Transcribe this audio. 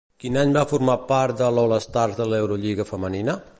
Quin any va formar part de l'All Stars de l'Eurolliga femenina?